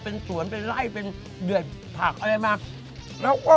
เป็นสวนเป็นไล่เป็นเดือดผักอะไรมา